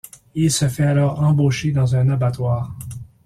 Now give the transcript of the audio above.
Il se fait alors embaucher dans un abattoir.